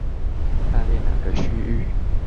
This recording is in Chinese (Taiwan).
下列哪個區域